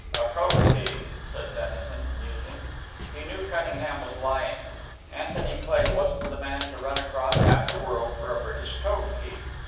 "A code key," said Dennison, musing. He knew Cunningham was lying. Anthony Cleigh wasn't the man to run across half the world for a British code key.